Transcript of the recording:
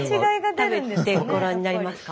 食べてごらんになりますか？